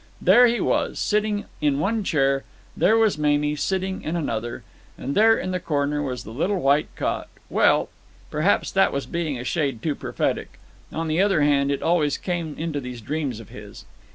There he was, sitting in one chair; there was Mamie, sitting in another; and there in the corner was the little white cot—well, perhaps that was being a shade too prophetic; on the other hand, it always came into these dreams of his.